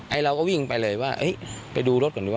ไอเราก็วิ่งไปเลยว่าเฮ้ยไปดูรถกันดีวะ